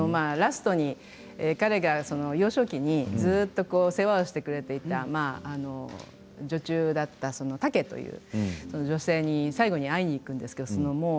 ラストに彼が幼少期にずっと世話をしてくれていた女中だった、たけという女性に最後に会いに行くんです。